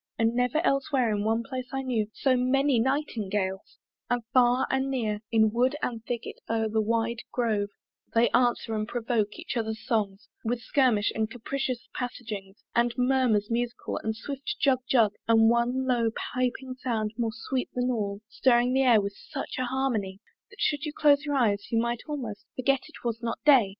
But never elsewhere in one place I knew So many Nightingales: and far and near In wood and thicket over the wide grove They answer and provoke each other's songs With skirmish and capricious passagings, And murmurs musical and swift jug jug And one low piping sound more sweet than all Stirring the air with such an harmony, That should you close your eyes, you might almost Forget it was not day!